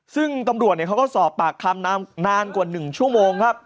ซึ่งตำรวจเขาก็สอบปากคำนานกว่า๑ชั่วโมงครับ